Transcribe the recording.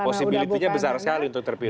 posibilitasnya besar sekali untuk terpilih